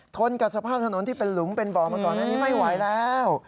กับสภาพถนนที่เป็นหลุมเป็นบ่อมาก่อนอันนี้ไม่ไหวแล้ว